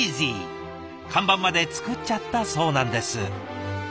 看板まで作っちゃったそうなんです。